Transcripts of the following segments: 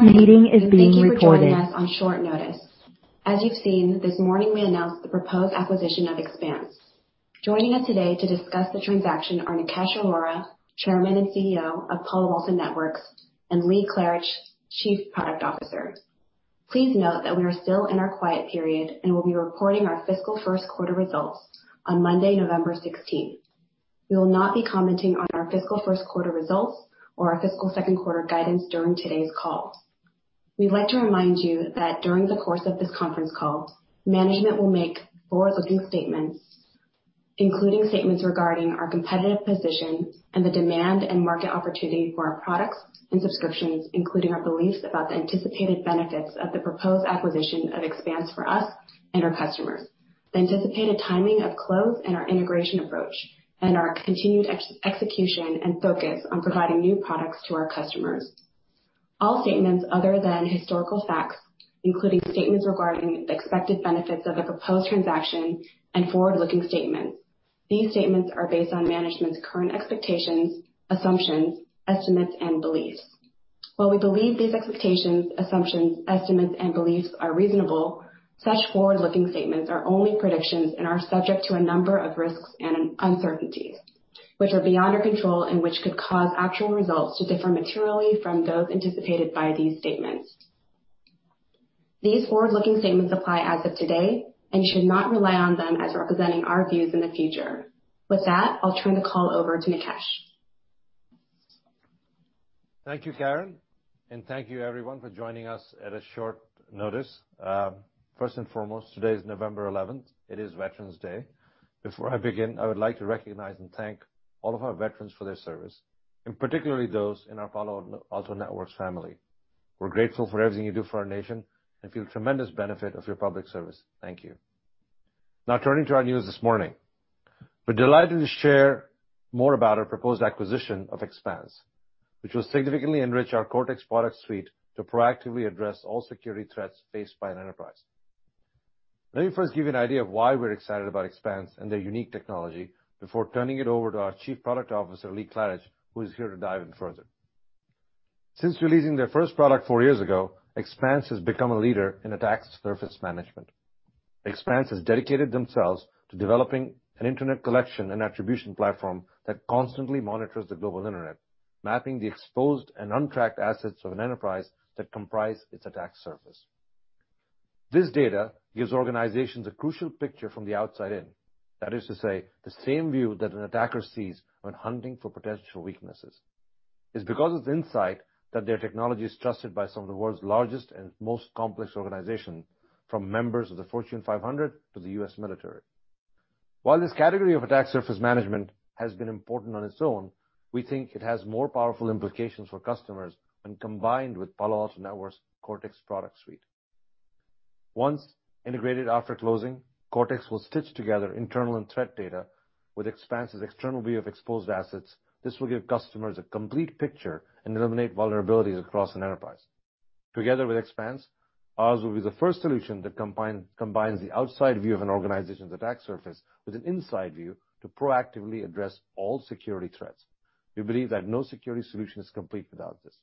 Thank you for joining us on short notice. As you've seen, this morning we announced the proposed acquisition of Expanse. Joining us today to discuss the transaction are Nikesh Arora, Chairman and CEO of Palo Alto Networks, and Lee Klarich, Chief Product Officer. Please note that we are still in our quiet period and will be reporting our fiscal first quarter results on Monday, November 16th. We will not be commenting on our fiscal first quarter results or our fiscal second quarter guidance during today's call. We'd like to remind you that during the course of this conference call, management will make forward-looking statements, including statements regarding our competitive position and the demand and market opportunity for our products and subscriptions, including our beliefs about the anticipated benefits of the proposed acquisition of Expanse for us and our customers, the anticipated timing of close and our integration approach, and our continued execution and focus on providing new products to our customers. All statements other than historical facts, including statements regarding the expected benefits of the proposed transaction and forward-looking statements. These statements are based on management's current expectations, assumptions, estimates, and beliefs. While we believe these expectations, assumptions, estimates, and beliefs are reasonable, such forward-looking statements are only predictions and are subject to a number of risks and uncertainties which are beyond our control and which could cause actual results to differ materially from those anticipated by these statements. These forward-looking statements apply as of today and you should not rely on them as representing our views in the future. With that, I'll turn the call over to Nikesh. Thank you, Caren, and thank you everyone for joining us at a short notice. First and foremost, today is November 11th. It is Veterans Day. Before I begin, I would like to recognize and thank all of our veterans for their service, and particularly those in our Palo Alto Networks family. We're grateful for everything you do for our nation and feel the tremendous benefit of your public service. Thank you. Now turning to our news this morning. We're delighted to share more about our proposed acquisition of Expanse, which will significantly enrich our Cortex product suite to proactively address all security threats faced by an enterprise. Let me first give you an idea of why we're excited about Expanse and their unique technology before turning it over to our Chief Product Officer, Lee Klarich, who is here to dive in further. Since releasing their first product four years ago, Expanse has become a leader in attack surface management. Expanse has dedicated themselves to developing an internet collection and attribution platform that constantly monitors the global internet, mapping the exposed and untracked assets of an enterprise that comprise its attack surface. This data gives organizations a crucial picture from the outside in. That is to say, the same view that an attacker sees when hunting for potential weaknesses. It's because of the insight that their technology is trusted by some of the world's largest and most complex organizations, from members of the Fortune 500 to the U.S. military. This category of attack surface management has been important on its own, we think it has more powerful implications for customers when combined with Palo Alto Networks' Cortex product suite. Once integrated after closing, Cortex will stitch together internal and threat data with Expanse's external view of exposed assets. This will give customers a complete picture and eliminate vulnerabilities across an enterprise. Together with Expanse, ours will be the first solution that combines the outside view of an organization's attack surface with an inside view to proactively address all security threats. We believe that no security solution is complete without this.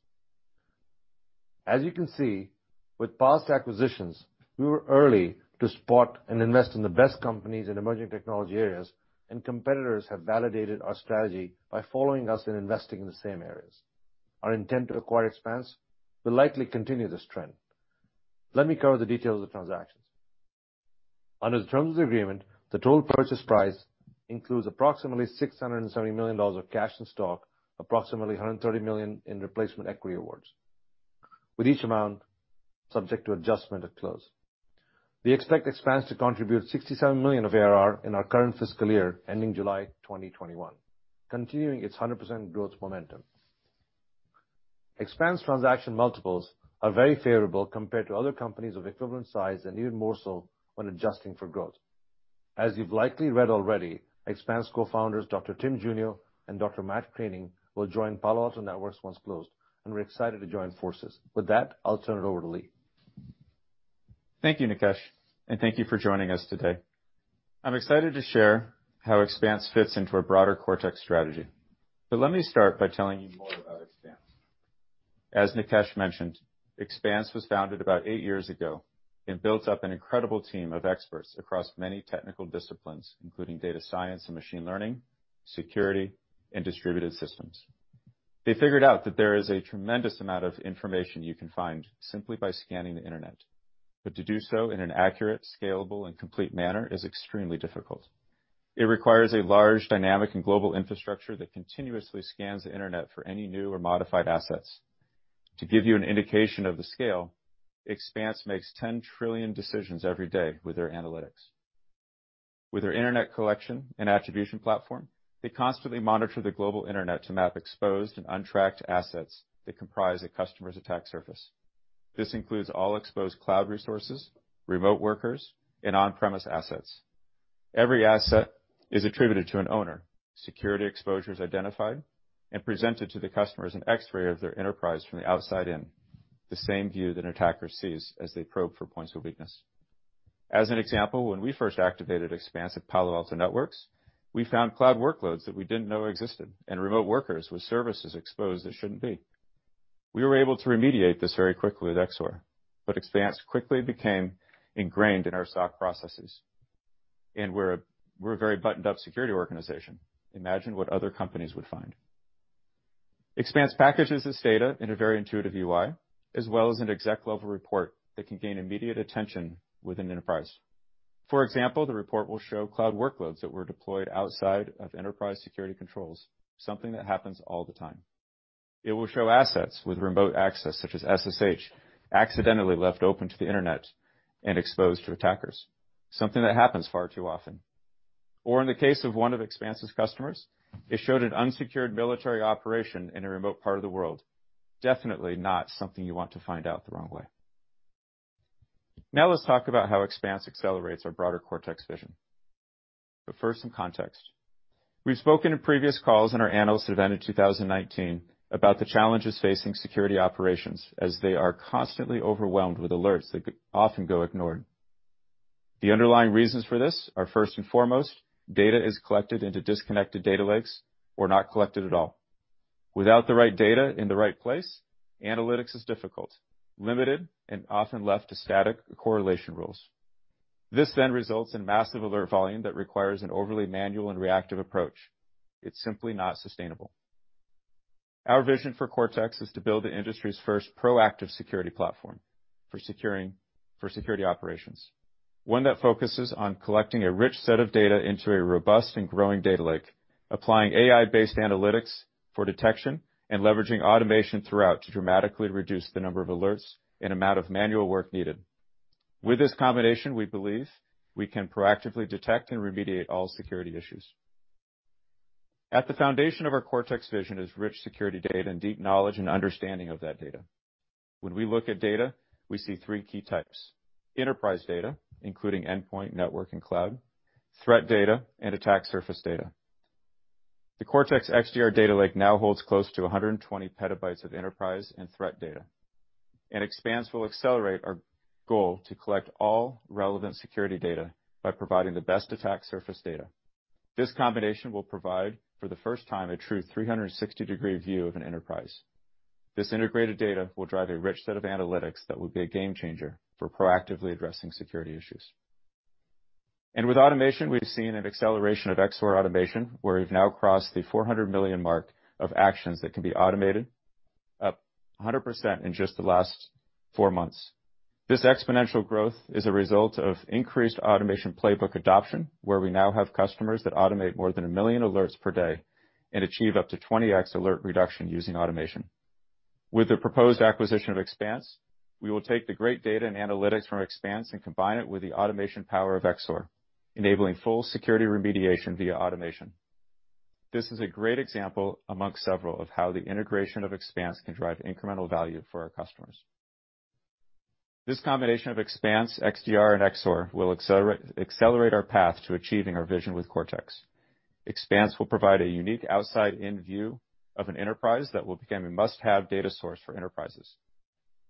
As you can see, with past acquisitions, we were early to spot and invest in the best companies in emerging technology areas, and competitors have validated our strategy by following us and investing in the same areas. Our intent to acquire Expanse will likely continue this trend. Let me cover the details of transactions. Under the terms of the agreement, the total purchase price includes approximately $670 million of cash and stock, approximately $130 million in replacement equity awards, with each amount subject to adjustment at close. We expect Expanse to contribute $67 million of ARR in our current fiscal year ending July 2021, continuing its 100% growth momentum. Expanse transaction multiples are very favorable compared to other companies of equivalent size, and even more so when adjusting for growth. As you've likely read already, Expanse co-founders Dr. Tim Junio and Dr. Matt Kraning will join Palo Alto Networks once closed, and we're excited to join forces. With that, I'll turn it over to Lee. Thank you, Nikesh, and thank you for joining us today. I'm excited to share how Expanse fits into our broader Cortex strategy. Let me start by telling you more about Expanse. As Nikesh mentioned, Expanse was founded about eight years ago and built up an incredible team of experts across many technical disciplines, including data science and machine learning, security, and distributed systems. They figured out that there is a tremendous amount of information you can find simply by scanning the Internet. To do so in an accurate, scalable, and complete manner is extremely difficult. It requires a large dynamic and global infrastructure that continuously scans the Internet for any new or modified assets. To give you an indication of the scale, Expanse makes 10 trillion decisions every day with their analytics. With their internet collection and attribution platform, they constantly monitor the global internet to map exposed and untracked assets that comprise a customer's attack surface. This includes all exposed cloud resources, remote workers, and on-premise assets. Every asset is attributed to an owner, security exposure is identified, and presented to the customer as an X-ray of their enterprise from the outside in, the same view that an attacker sees as they probe for points of weakness. As an example, when we first activated Expanse at Palo Alto Networks, we found cloud workloads that we didn't know existed and remote workers with services exposed that shouldn't be. We were able to remediate this very quickly with Cortex XSOAR, but Expanse quickly became ingrained in our SOC processes. We're a very buttoned-up security organization. Imagine what other companies would find. Expanse packages this data in a very intuitive UI, as well as an exec-level report that can gain immediate attention with an enterprise. For example, the report will show cloud workloads that were deployed outside of enterprise security controls, something that happens all the time. It will show assets with remote access, such as SSH, accidentally left open to the Internet and exposed to attackers, something that happens far too often. In the case of one of Expanse's customers, it showed an unsecured military operation in a remote part of the world. Definitely not something you want to find out the wrong way. Let's talk about how Expanse accelerates our broader Cortex vision. First, some context. We've spoken in previous calls and our analyst event in 2019 about the challenges facing security operations, as they are constantly overwhelmed with alerts that often go ignored. The underlying reasons for this are, first and foremost, data is collected into disconnected data lakes or not collected at all. Without the right data in the right place, analytics is difficult, limited, and often left to static correlation rules. This results in massive alert volume that requires an overly manual and reactive approach. It's simply not sustainable. Our vision for Cortex is to build the industry's first proactive security platform for security operations. One that focuses on collecting a rich set of data into a robust and growing data lake, applying AI-based analytics for detection, and leveraging automation throughout to dramatically reduce the number of alerts and amount of manual work needed. With this combination, we believe we can proactively detect and remediate all security issues. At the foundation of our Cortex vision is rich security data and deep knowledge and understanding of that data. When we look at data, we see three key types: enterprise data, including endpoint, network, and cloud, threat data, and attack surface data. The Cortex XDR data lake now holds close to 120 PB of enterprise and threat data. Expanse will accelerate our goal to collect all relevant security data by providing the best attack surface data. This combination will provide, for the first time, a true 360-degree view of an enterprise. This integrated data will drive a rich set of analytics that will be a game changer for proactively addressing security issues. With automation, we've seen an acceleration of XSOAR automation, where we've now crossed the 400 million mark of actions that can be automated, up 100% in just the last four months. This exponential growth is a result of increased automation playbook adoption, where we now have customers that automate more than 1 million alerts per day and achieve up to 20X alert reduction using automation. With the proposed acquisition of Expanse, we will take the great data and analytics from Expanse and combine it with the automation power of Cortex XSOAR, enabling full security remediation via automation. This is a great example, amongst several, of how the integration of Expanse can drive incremental value for our customers. This combination of Expanse, Cortex XDR, and Cortex XSOAR will accelerate our path to achieving our vision with Cortex. Expanse will provide a unique outside-in view of an enterprise that will become a must-have data source for enterprises.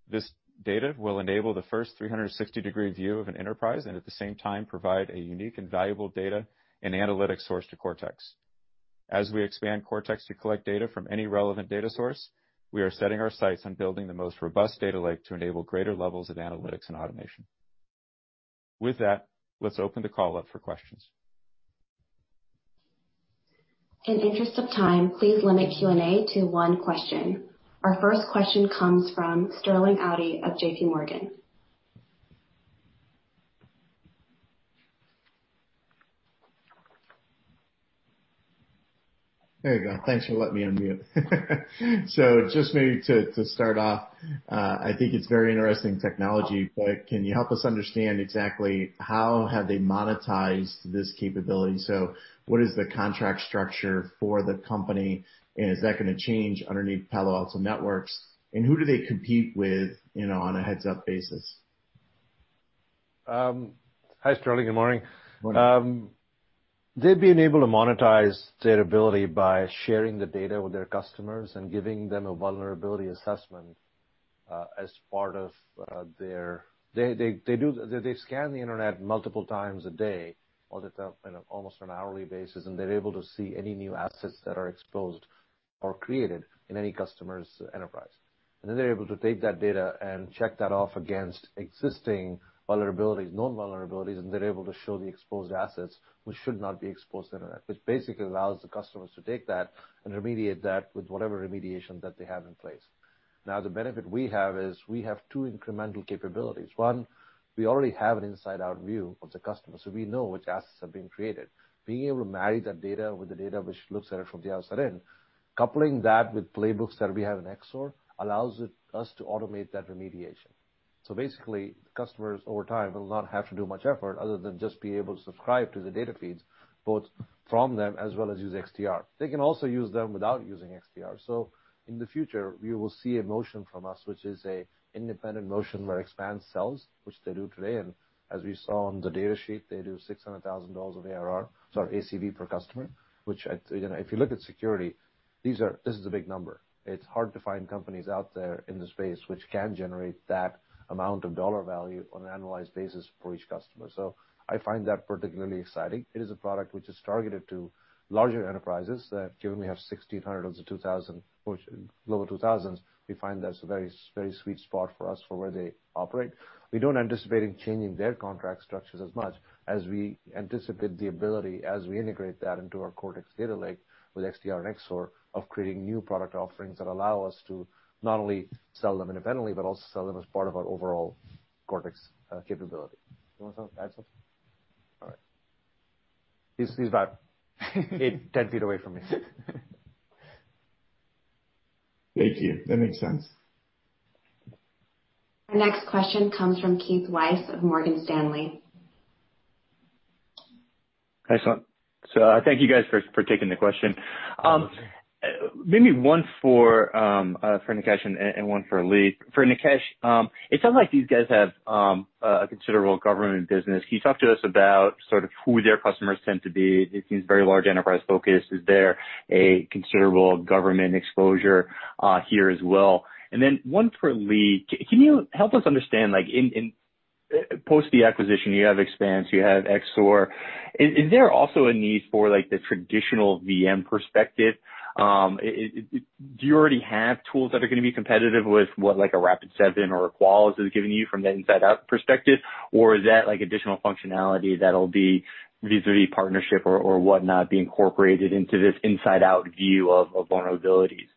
This data will enable the first 360-degree view of an enterprise and, at the same time, provide a unique and valuable data and analytics source to Cortex. As we expand Cortex to collect data from any relevant data source, we are setting our sights on building the most robust data lake to enable greater levels of analytics and automation. With that, let's open the call up for questions. In interest of time, please limit Q&A to one question. Our first question comes from Sterling Auty of JPMorgan. There you go. Thanks for letting me unmute. Just maybe to start off, I think it's very interesting technology, but can you help us understand exactly how have they monetized this capability? What is the contract structure for the company, and is that going to change underneath Palo Alto Networks? Who do they compete with on a heads-up basis? Hi, Sterling. Good morning. Morning. They've been able to monetize their ability by sharing the data with their customers and giving them a vulnerability assessment. They scan the internet multiple times a day, or almost on an hourly basis, and they're able to see any new assets that are exposed or created in any customer's enterprise. Then they're able to take that data and check that off against existing vulnerabilities, known vulnerabilities, and they're able to show the exposed assets which should not be exposed to the internet, which basically allows the customers to take that and remediate that with whatever remediation that they have in place. The benefit we have is we have two incremental capabilities. One, we already have an inside-out view of the customer, so we know which assets have been created. Being able to marry that data with the data which looks at it from the outside in, coupling that with playbooks that we have in XSOAR, allows us to automate that remediation. Basically, customers over time will not have to do much effort other than just be able to subscribe to the data feeds, both from them as well as use XDR. They can also use them without using XDR. In the future, you will see a motion from us, which is a independent motion where Expanse sells, which they do today. As we saw on the data sheet, they do $600,000 of ARR, sorry, ACV per customer, which if you look at security. This is a big number. It's hard to find companies out there in the space which can generate that amount of dollar value on an annualized basis for each customer. I find that particularly exciting. It is a product which is targeted to larger enterprises that, given we have 1,600 of the lower 2,000s, we find that's a very sweet spot for us for where they operate. We don't anticipate changing their contract structures as much as we anticipate the ability, as we integrate that into our Cortex data lake with XDR and XSOAR of creating new product offerings that allow us to not only sell them independently, but also sell them as part of our overall Cortex capability. You want to add something? All right. He's about eight, 10 ft away from me. Thank you. That makes sense. Our next question comes from Keith Weiss of Morgan Stanley. Thanks a lot. Thank you guys for taking the question. Maybe one for Nikesh and one for Lee. For Nikesh, it sounds like these guys have a considerable government business. Can you talk to us about sort of who their customers tend to be? It seems very large enterprise focused. Is there a considerable government exposure here as well? One for Lee, can you help us understand, post the acquisition, you have Expanse, you have XSOAR. Is there also a need for the traditional VM perspective? Do you already have tools that are going to be competitive with what like a Rapid7 or a Qualys is giving you from the inside out perspective? Is that additional functionality that'll be vis-a-vis partnership or whatnot, be incorporated into this inside out view of vulnerabilities?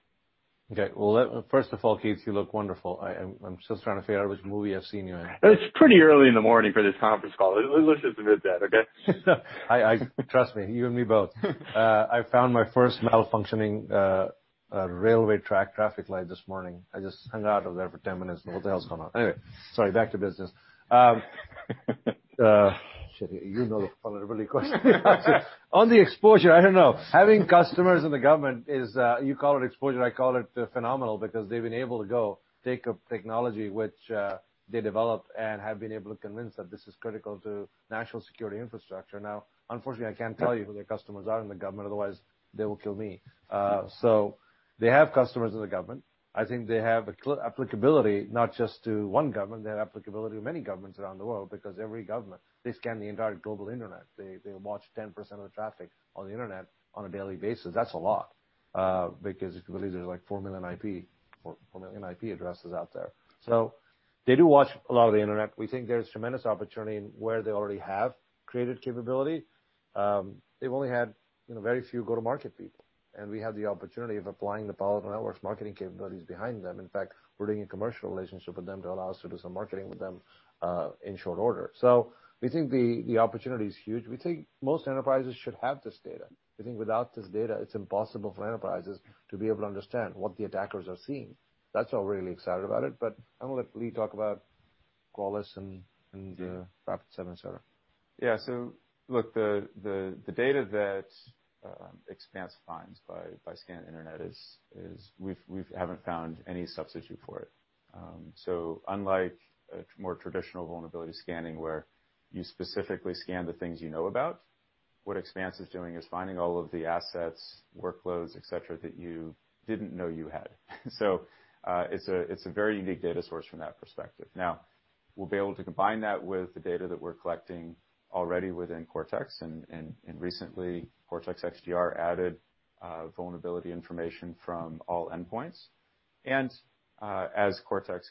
Okay. Well first of all, Keith, you look wonderful. I'm just trying to figure out which movie I've seen you in. It's pretty early in the morning for this conference call. Let's just admit that, okay? Trust me, you and me both. I found my first malfunctioning railway track traffic light this morning. I just hung out over there for 10 minutes. What the hell's going on? Anyway, sorry, back to business. Shit, you know the vulnerability question. On the exposure, I don't know. Having customers in the government is, you call it exposure, I call it phenomenal because they've been able to go take a technology which they developed and have been able to convince that this is critical to national security infrastructure. Now, unfortunately, I can't tell you who their customers are in the government, otherwise they will kill me. They have customers in the government. I think they have applicability not just to one government, they have applicability to many governments around the world because every government, they scan the entire global internet. They watch 10% of the traffic on the internet on a daily basis. That's a lot. If you believe there's like 4 million IP addresses out there. They do watch a lot of the internet. We think there's tremendous opportunity where they already have created capability. They've only had very few go to market people, and we have the opportunity of applying the Palo Alto Networks marketing capabilities behind them. In fact, we're doing a commercial relationship with them to allow us to do some marketing with them, in short order. We think the opportunity is huge. We think most enterprises should have this data. We think without this data, it's impossible for enterprises to be able to understand what the attackers are seeing. That's why we're really excited about it. I'm going to let Lee talk about Qualys and Rapid7, et cetera. Yeah. Look, the data that Expanse finds by scanning the internet is We haven't found any substitute for it. Unlike a more traditional vulnerability scanning where you specifically scan the things you know about, what Expanse is doing is finding all of the assets, workloads, et cetera, that you didn't know you had. It's a very unique data source from that perspective. We'll be able to combine that with the data that we're collecting already within Cortex, and recently, Cortex XDR added vulnerability information from all endpoints. As Cortex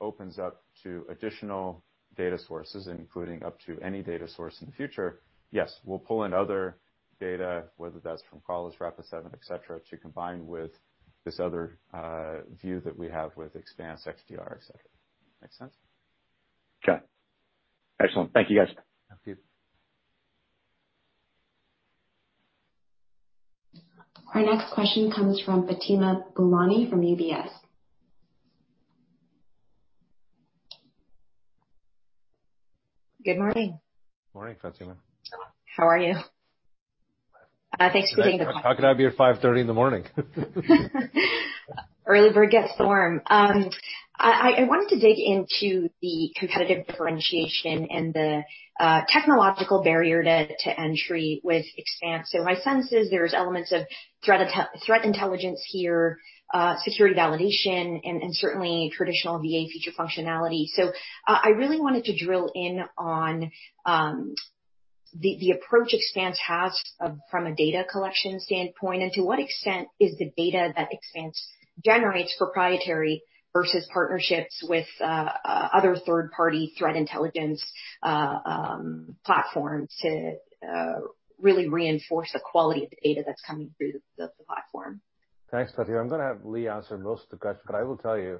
opens up to additional data sources, including up to any data source in the future, yes, we'll pull in other data, whether that's from Qualys, Rapid7, et cetera, to combine with this other view that we have with Expanse XDR, et cetera. Make sense? Okay. Excellent. Thank you, guys. Thank you. Our next question comes from Fatima Boolani from UBS. Good morning. Morning, Fatima. How are you? Thanks for taking the call. How could I be at 5:30 A.M.? Early bird gets the worm. I wanted to dig into the competitive differentiation and the technological barrier to entry with Expanse. My sense is there's elements of threat intelligence here, security validation, and certainly traditional VA feature functionality. I really wanted to drill in on the approach Expanse has from a data collection standpoint, and to what extent is the data that Expanse generates proprietary versus partnerships with other third-party threat intelligence platforms to really reinforce the quality of the data that's coming through the platform. Thanks, Fatima. I'm going to have Lee answer most of the question, but I will tell you,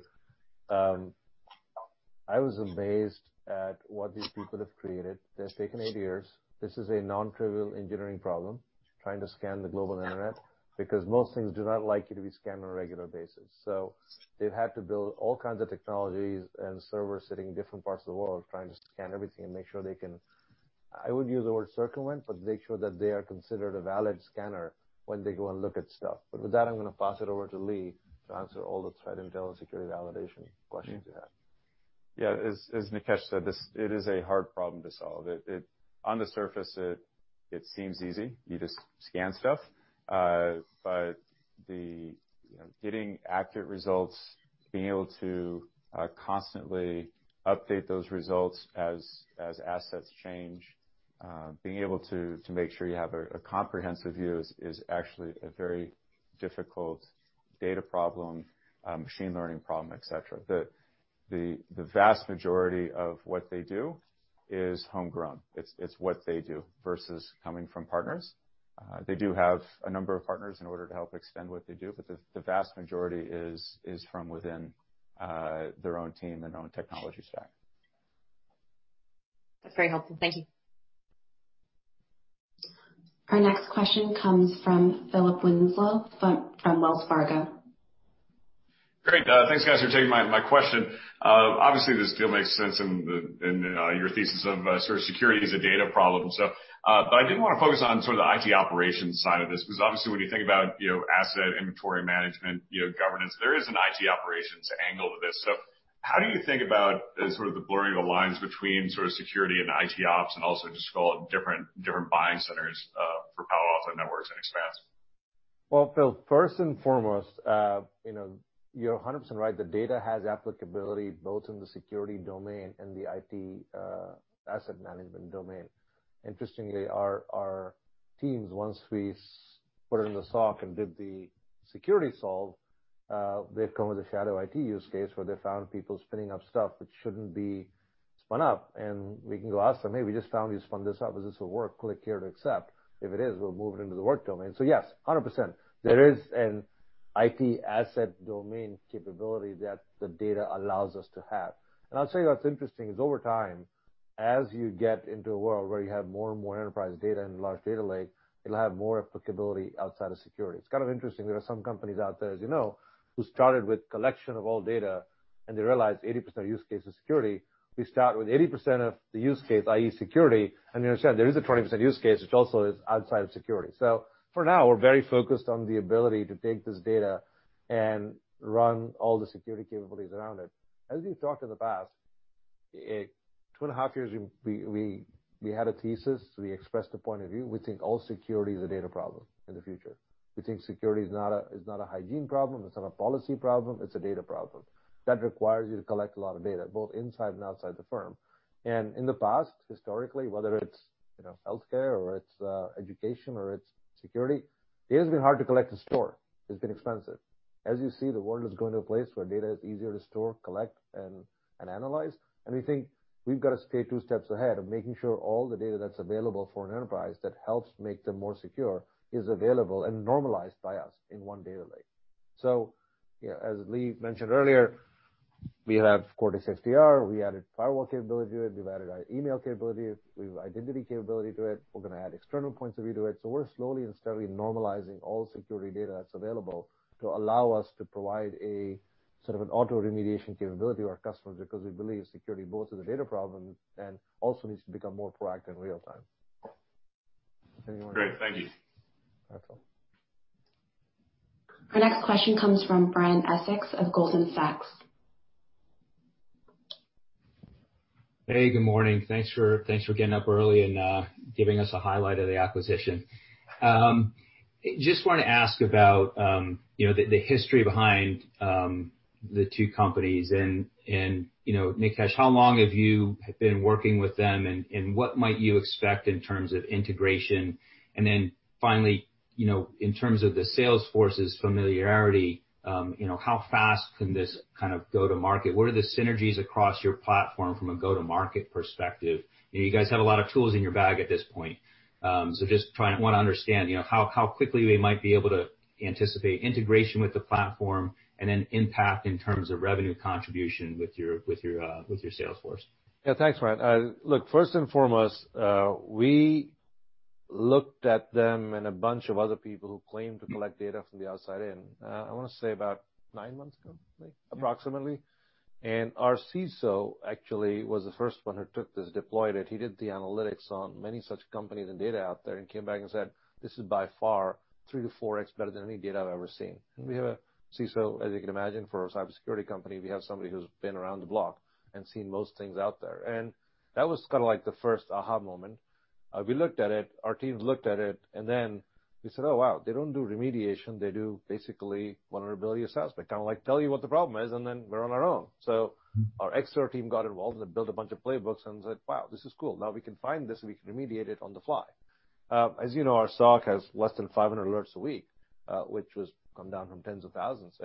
I was amazed at what these people have created. They've taken eight years. This is a nontrivial engineering problem, trying to scan the global internet, because most things do not like you to be scanned on a regular basis. They've had to build all kinds of technologies and servers sitting in different parts of the world trying to scan everything and make sure they can, I wouldn't use the word circumvent, but make sure that they are considered a valid scanner when they go and look at stuff. With that, I'm going to pass it over to Lee to answer all the threat intel and security validation questions you have. Yeah. As Nikesh said, it is a hard problem to solve. On the surface, it seems easy. You just scan stuff. Getting accurate results, being able to constantly update those results as assets change, being able to make sure you have a comprehensive view is actually a very difficult data problem, machine learning problem, et cetera. The vast majority of what they do is homegrown. It's what they do versus coming from partners. They do have a number of partners in order to help extend what they do, but the vast majority is from within their own team, their own technology stack. That's very helpful. Thank you. Our next question comes from Philip Winslow from Wells Fargo. Great. Thanks, guys, for taking my question. This deal makes sense in your thesis of sort of security as a data problem. I did want to focus on sort of the IT operations side of this, because obviously, when you think about asset inventory management, governance, there is an IT operations angle to this. How do you think about sort of the blurring of the lines between sort of security and IT ops, and also just call it different buying centers for Palo Alto Networks and Expanse? Well, Phil, first and foremost, you're 100% right. The data has applicability both in the security domain and the IT asset management domain. Interestingly, our teams, once we put it in the SOC and did the security solve, they've come with a shadow IT use case where they found people spinning up stuff which shouldn't be spun up. We can go ask them, "Hey, we just found you spun this up. Is this for work? Click here to accept. If it is, we'll move it into the work domain." Yes, 100%. There is an IT asset domain capability that the data allows us to have. I'll tell you what's interesting is over time, as you get into a world where you have more and more enterprise data in a large data lake, it'll have more applicability outside of security. It's kind of interesting. There are some companies out there, as you know, who started with collection of all data, and they realized 80% use case is security. We start with 80% of the use case, i.e. security, and you understand there is a 20% use case which also is outside of security. For now, we're very focused on the ability to take this data and run all the security capabilities around it. As we've talked in the past, two and a half years, we had a thesis, we expressed a point of view. We think all security is a data problem in the future. We think security is not a hygiene problem. It's not a policy problem. It's a data problem. That requires you to collect a lot of data, both inside and outside the firm. In the past, historically, whether it's healthcare or it's education or it's security, data's been hard to collect and store. It's been expensive. As you see, the world is going to a place where data is easier to store, collect, and analyze. We think we've got to stay two steps ahead of making sure all the data that's available for an enterprise that helps make them more secure is available and normalized by us in one data lake. As Lee mentioned earlier, we have Cortex XDR, we added firewall capability to it, we've added our email capability, we've identity capability to it. We're going to add external points of view to it. We're slowly and steadily normalizing all security data that's available to allow us to provide a sort of an auto remediation capability to our customers because we believe security both is a data problem and also needs to become more proactive in real time. Great. Thank you. No problem. Our next question comes from Brian Essex of Goldman Sachs. Hey, good morning. Thanks for getting up early and giving us a highlight of the acquisition. Just want to ask about the history behind the two companies and, Nikesh, how long have you been working with them and what might you expect in terms of integration? Finally, in terms of the sales force's familiarity, how fast can this go to market? What are the synergies across your platform from a go-to-market perspective? You guys have a lot of tools in your bag at this point. Just want to understand how quickly we might be able to anticipate integration with the platform and then impact in terms of revenue contribution with your sales force. Yeah. Thanks, Brian. Look, first and foremost, we looked at them and a bunch of other people who claim to collect data from the outside in, I want to say about nine months ago, approximately. Our CISO actually was the first one who took this, deployed it. He did the analytics on many such companies and data out there and came back and said, "This is by far 3-4x better than any data I've ever seen." We have a CISO, as you can imagine, for a cybersecurity company, we have somebody who's been around the block and seen most things out there. That was kind of like the first aha moment. We looked at it, our teams looked at it, and then we said, "Oh, wow, they don't do remediation. They do basically vulnerability assessments. Kind of like tell you what the problem is, and then we're on our own. Our Expanse team got involved and built a bunch of playbooks and said, "Wow, this is cool." Now we can find this, and we can remediate it on the fly. As you know, our SOC has less than 500 alerts a week, which has come down from tens of thousands.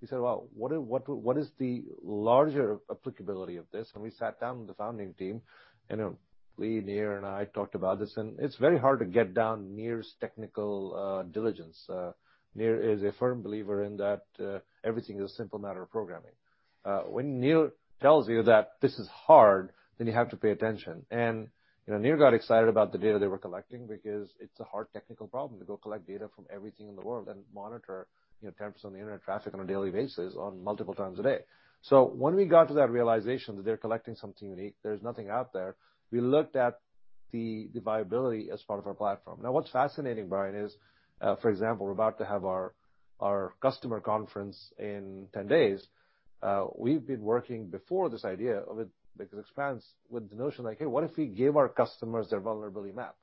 We said, "Well, what is the larger applicability of this?" We sat down with the founding team, and Lee, Nir, and I talked about this, and it's very hard to get down Nir's technical diligence. Nir is a firm believer in that everything is a simple matter of programming. When Nir tells you that this is hard, then you have to pay attention. Nir got excited about the data they were collecting because it's a hard technical problem to go collect data from everything in the world and monitor 10% of the internet traffic on a daily basis on multiple times a day. When we got to that realization that they're collecting something unique, there's nothing out there, we looked at the viability as part of our platform. What's fascinating, Brian, is, for example, we're about to have our customer conference in 10 days. We've been working before this idea of it, because Expanse with the notion like, hey, what if we gave our customers their vulnerability map?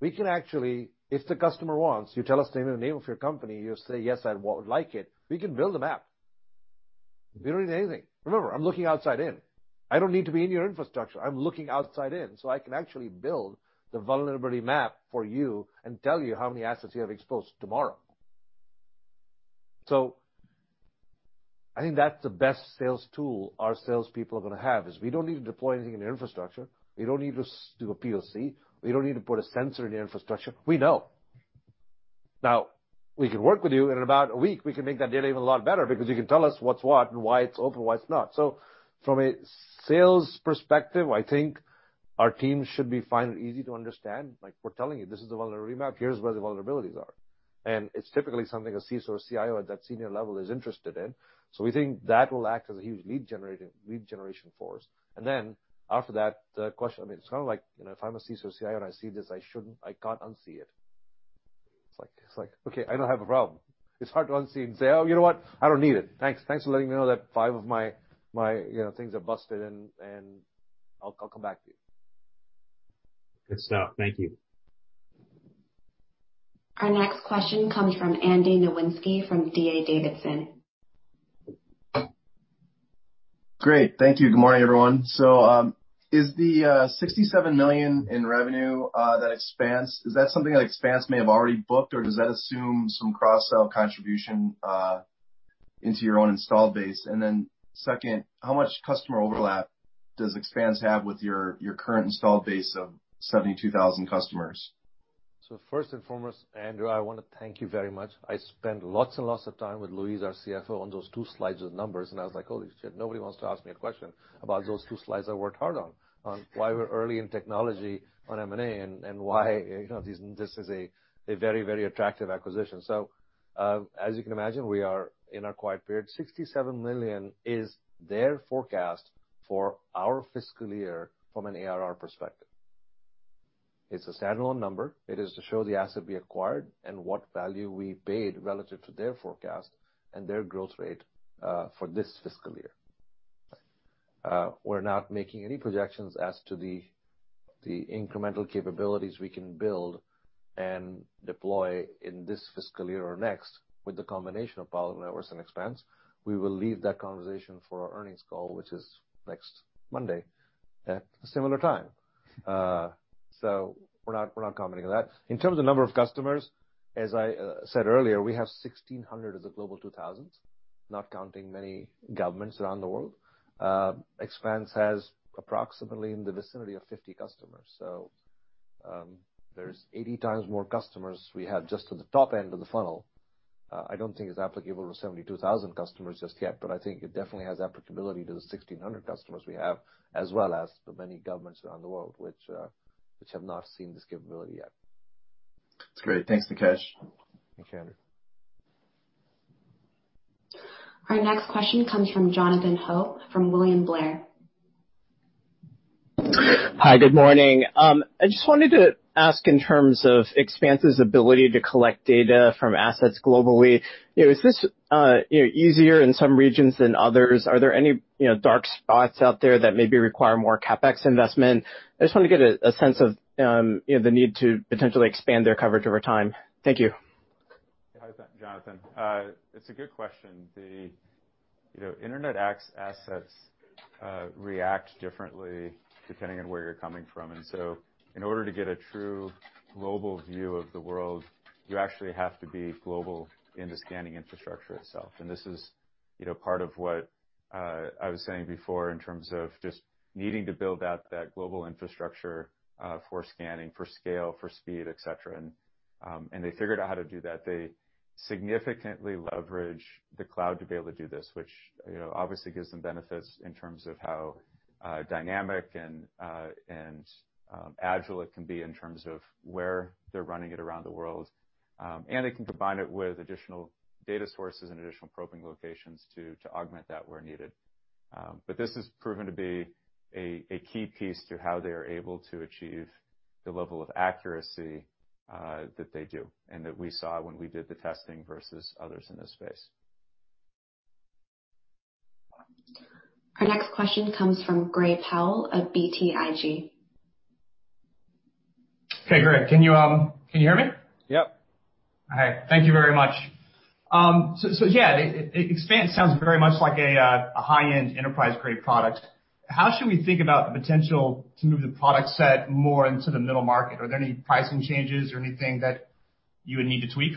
We can actually, if the customer wants, you tell us the name of your company, you say, "Yes, I would like it," we can build a map. We don't need anything. Remember, I'm looking outside in. I don't need to be in your infrastructure. I'm looking outside in, I can actually build the vulnerability map for you and tell you how many assets you have exposed tomorrow. I think that's the best sales tool our salespeople are going to have, is we don't need to deploy anything in your infrastructure. We don't need to do a POC. We don't need to put a sensor in your infrastructure. We know. We can work with you, and in about a week, we can make that data even a lot better because you can tell us what's what and why it's open, why it's not. From a sales perspective, I think our teams should be finding it easy to understand. We're telling you, this is the vulnerability map. Here's where the vulnerabilities are. It's typically something a CISO or CIO at that senior level is interested in. We think that will act as a huge lead generation force. After that, the question, it's like, if I'm a CISO or CIO and I see this, I can't unsee it. It's like, okay, I now have a problem. It's hard to unsee and say, "Oh, you know what? I don't need it. Thanks for letting me know that five of my things are busted, and I'll come back to you. Good stuff. Thank you. Our next question comes from Andrew Nowinski from D.A. Davidson. Great. Thank you. Good morning, everyone. Is the $67 million in revenue that Expanse, is that something that Expanse may have already booked, or does that assume some cross-sell contribution into your own installed base? Second, how much customer overlap does Expanse have with your current installed base of 72,000 customers? First and foremost, Andrew, I want to thank you very much. I spent lots and lots of time with Luis, our CFO, on those two slides of numbers, and I was like, "Holy shit, nobody wants to ask me a question about those two slides I worked hard on why we're early in technology on M&A and why this is a very attractive acquisition." As you can imagine, we are in our quiet period. $67 million is their forecast for our fiscal year from an ARR perspective. It's a standalone number. It is to show the asset we acquired and what value we paid relative to their forecast and their growth rate for this fiscal year. We're not making any projections as to the incremental capabilities we can build and deploy in this fiscal year or next with the combination of Palo Alto Networks and Expanse. We will leave that conversation for our earnings call, which is next Monday at a similar time. We're not commenting on that. In terms of number of customers, as I said earlier, we have 1,600 of the Global 2000, not counting many governments around the world. Expanse has approximately in the vicinity of 50 customers. There's 80 times more customers we have just at the top end of the funnel. I don't think it's applicable to 72,000 customers just yet, but I think it definitely has applicability to the 1,600 customers we have, as well as the many governments around the world which have not seen this capability yet. That's great. Thanks, Nikesh. Thanks, Andrew. Our next question comes from Jonathan Ho from William Blair. Hi, good morning. I just wanted to ask in terms of Expanse's ability to collect data from assets globally, is this easier in some regions than others? Are there any dark spots out there that maybe require more CapEx investment? I just wanted to get a sense of the need to potentially expand their coverage over time. Thank you. Hi, Jonathan. It's a good question. The internet assets react differently depending on where you're coming from. In order to get a true global view of the world, you actually have to be global in the scanning infrastructure itself. This is part of what I was saying before in terms of just needing to build out that global infrastructure for scanning, for scale, for speed, et cetera. They figured out how to do that. They significantly leverage the cloud to be able to do this, which obviously gives them benefits in terms of how dynamic and agile it can be in terms of where they're running it around the world. It can combine it with additional data sources and additional probing locations to augment that where needed. This has proven to be a key piece to how they are able to achieve the level of accuracy that they do and that we saw when we did the testing versus others in this space. Our next question comes from Gray Powell of BTIG. Hey, great. Can you hear me? Yep. All right. Thank you very much. Yeah, Expanse sounds very much like a high-end enterprise grade product. How should we think about the potential to move the product set more into the middle market? Are there any pricing changes or anything that you would need to tweak?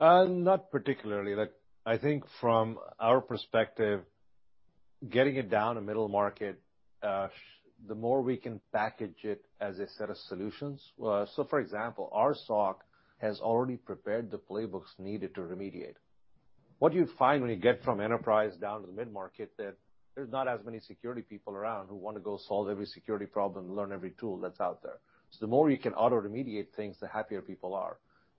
Not particularly. I think from our perspective, getting it down to middle market, the more we can package it as a set of solutions. For example, our SOC has already prepared the playbooks needed to remediate. What you find when you get from enterprise down to the mid-market, that there's not as many security people around who want to go solve every security problem, learn every tool that's out there. The more you can auto-remediate things, the happier people are.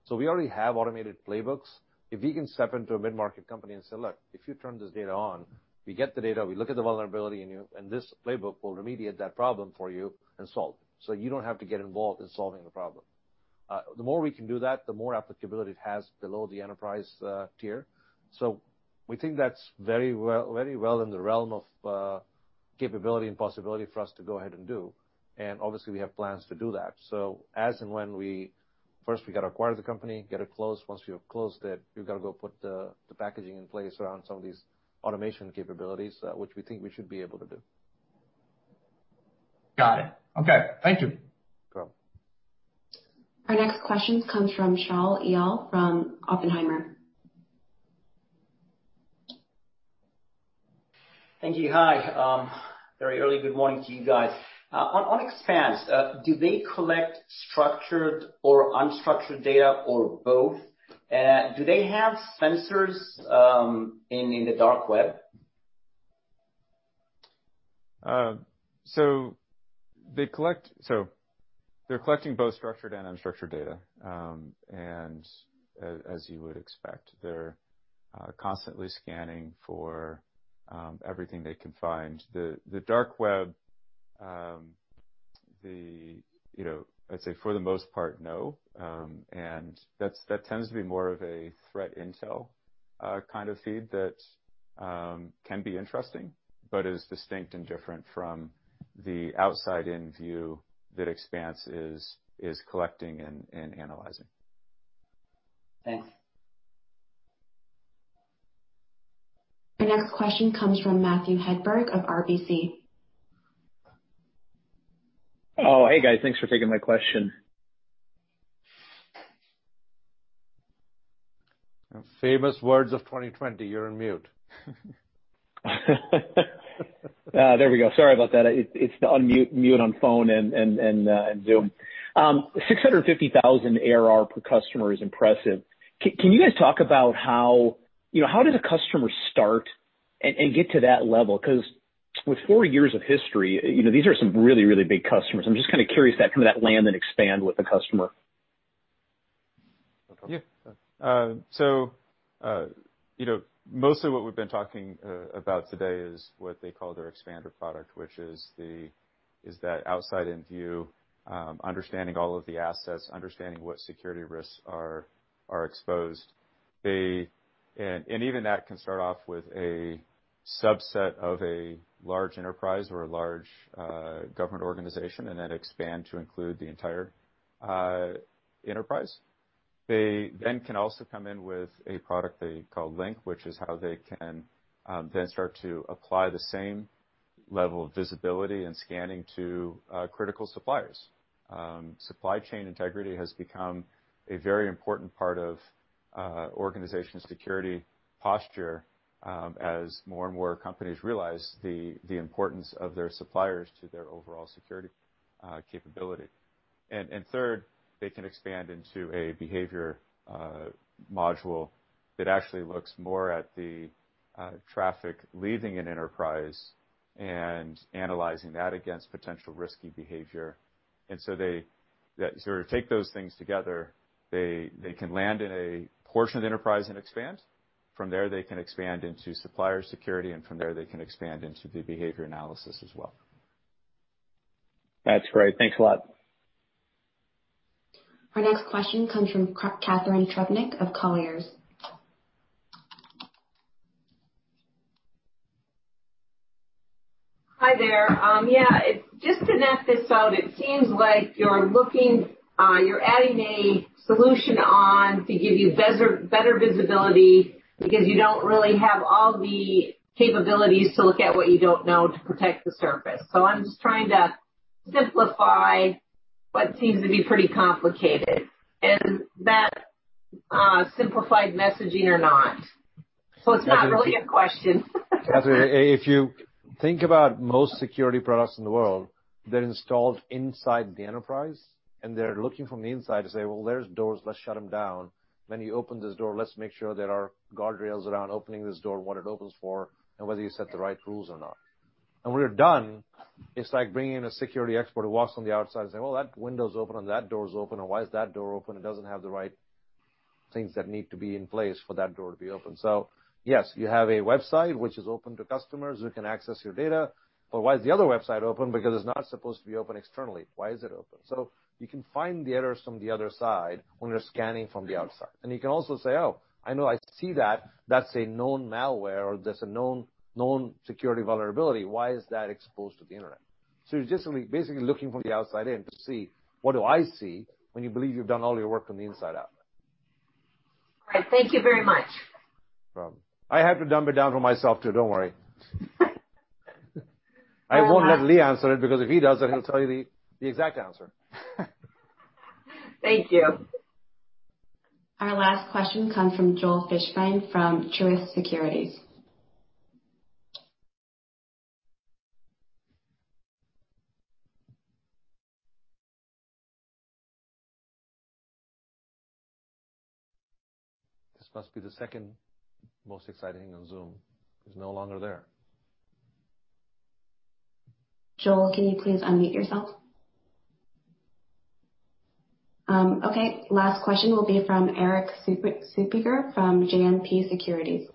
We already have automated playbooks. If we can step into a mid-market company and say, "Look, if you turn this data on, we get the data, we look at the vulnerability, and this playbook will remediate that problem for you and solve it. You don't have to get involved in solving the problem. The more we can do that, the more applicability it has below the enterprise tier. We think that's very well in the realm of capability and possibility for us to go ahead and do. Obviously, we have plans to do that. First we got to acquire the company, get it closed. Once we have closed it, we've got to go put the packaging in place around some of these automation capabilities, which we think we should be able to do. Got it. Okay. Thank you. No problem. Our next question comes from Shaul Eyal from Oppenheimer. Thank you. Hi. Very early good morning to you guys. On Expanse, do they collect structured or unstructured data, or both? Do they have sensors in the dark web? They're collecting both structured and unstructured data. As you would expect, they're constantly scanning for everything they can find. The dark web, I'd say for the most part, no. That tends to be more of a threat intel kind of feed that can be interesting, but is distinct and different from the outside-in view that Expanse is collecting and analyzing. Thanks. The next question comes from Matt Hedberg of RBC. Oh, hey, guys. Thanks for taking my question. Famous words of 2020, you're on mute. There we go. Sorry about that. It's the mute on phone and Zoom. $650,000 ARR per customer is impressive. Can you guys talk about how does a customer start and get to that level? With four years of history, these are some really big customers. I'm just kind of curious that land and expand with the customer. Yeah. Most of what we've been talking about today is what they call their Expander product, which is that outside-in view, understanding all of the assets, understanding what security risks are exposed. Even that can start off with a subset of a large enterprise or a large government organization, and then expand to include the entire enterprise. They then can also come in with a product they call Link, which is how they can then start to apply the same level of visibility and scanning to critical suppliers. Supply chain integrity has become a very important part of organization security posture as more and more companies realize the importance of their suppliers to their overall security capability. Third, they can expand into a behavior module that actually looks more at the traffic leaving an enterprise and analyzing that against potential risky behavior. They sort of take those things together. They can land in a portion of the enterprise and expand. From there, they can expand into supplier security. From there, they can expand into the behavior analysis as well. That's great. Thanks a lot. Our next question comes from Catharine Trebnick of Colliers. Hi there. Yeah. Just to map this out, it seems like you're adding a solution on to give you better visibility because you don't really have all the capabilities to look at what you don't know to protect the surface. I'm just trying to simplify what seems to be pretty complicated. Is that simplified messaging or not? It's not really a question. Catharine, if you think about most security products in the world, they're installed inside the enterprise, they're looking from the inside to say, Well, there's doors. Let's shut them down. When you open this door, let's make sure there are guardrails around opening this door, what it opens for, and whether you set the right rules or not. When you're done, it's like bringing in a security expert who walks on the outside and say, Well, that window's open and that door's open and why is that door open? It doesn't have the right things that need to be in place for that door to be open. Yes, you have a website which is open to customers who can access your data. Why is the other website open? Because it's not supposed to be open externally. Why is it open? You can find the errors from the other side when you're scanning from the outside. You can also say, "Oh, I know. I see that. That's a known malware, or that's a known security vulnerability. Why is that exposed to the Internet?" You're just basically looking from the outside in to see what do I see, when you believe you've done all your work from the inside out. Great. Thank you very much. No problem. I had to dumb it down for myself, too. Don't worry. I won't let Lee answer it, because if he does it, he'll tell you the exact answer. Thank you. Our last question comes from Joel Fishbein from Truist Securities. This must be the second most exciting thing on Zoom. He's no longer there. Joel, can you please unmute yourself? Okay, last question will be from Erik Suppiger from JMP Securities.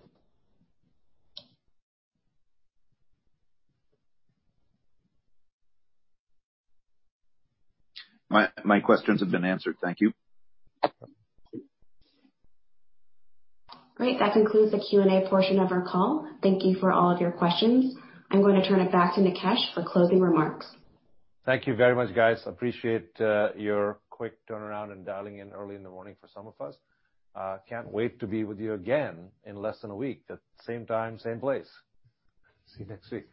My questions have been answered. Thank you. No problem. Great. That concludes the Q&A portion of our call. Thank you for all of your questions. I'm going to turn it back to Nikesh for closing remarks. Thank you very much, guys. Appreciate your quick turnaround and dialing in early in the morning for some of us. Can't wait to be with you again in less than a week at the same time, same place. See you next week.